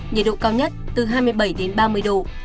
nhiệt độ cao nhất từ hai mươi bảy đến ba mươi độ